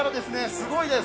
すごいです。